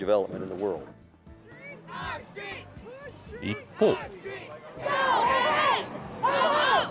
一方。